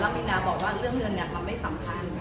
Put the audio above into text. พี่นาบอกว่าเรื่องเงินมันไม่สำคัญ